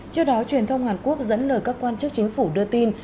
trước đó truyền thông hàn quốc dẫn lời các quan chức chính phủ đưa tin